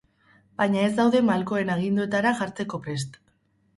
Baina ez daude malkoen aginduetara jartzeko prest.